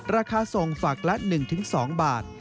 ราคาส่งฝักละ๑๒บาท